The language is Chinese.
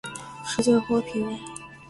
世界和平